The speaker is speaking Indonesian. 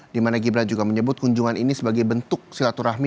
dimana gibran juga menyebut kunjungan ini sebagai bentuk silaturahmi